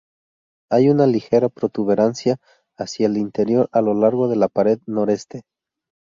Hay una ligera protuberancia hacia el interior a lo largo de la pared noroeste.